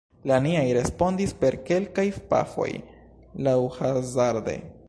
La niaj respondis per kelkaj pafoj, laŭhazarde.